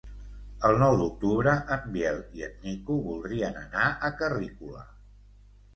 El nou d'octubre en Biel i en Nico voldrien anar a Carrícola.